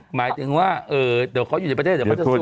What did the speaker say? หมายถึงว่าเดี๋ยวเขาอยู่ในประเทศเดี๋ยวมันจะคืน